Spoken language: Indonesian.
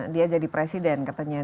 dia jadi presiden katanya